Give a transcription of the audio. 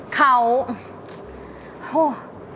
เขาโอ้ว